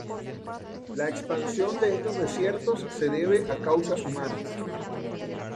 La expansión de estos desiertos se debe a causas humanas.